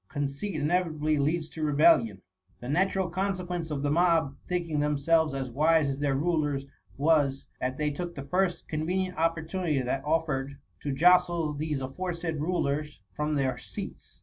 Conceit inevitably leads to rebellion. The natural consequence of the mob thinking them selves as wise as their rulers^ was, that they took the first convenient opportunity that of fered, to jostle these aforesaid rulers from their seats.